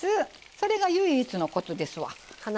それが唯一のコツですわ。